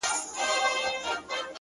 د فکرونه- ټوله مزخرف دي-